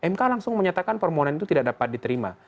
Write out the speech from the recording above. mk langsung menyatakan permohonan itu tidak dapat diterima